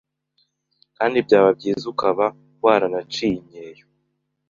kandi byaba byiza ukaba waranaciye imyeyo,